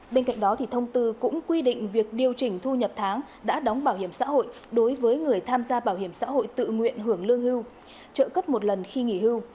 bên cạnh đó thông tư cũng quy định việc điều chỉnh thu nhập tháng đã đóng bảo hiểm xã hội đối với người tham gia bảo hiểm xã hội tự nguyện hưởng lương hưu trợ cấp một lần khi nghỉ hưu